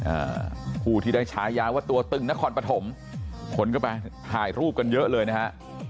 อ่าผู้ที่ได้ฉายาว่าตัวตึงนครปฐมคนก็ไปถ่ายรูปกันเยอะเลยนะฮะ